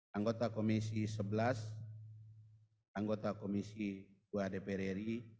wakil ketua komisi sebelas wakil ketua komisi dua dpr ri